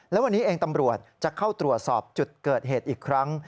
และวันนี้เองตำรวจจะเข้าตรวจสอบจุดเกิดเหตุอีกครั้ง